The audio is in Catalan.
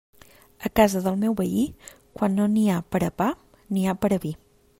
A casa del meu veí, quan no n'hi ha per a pa, n'hi ha per a vi.